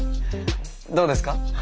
どうですか？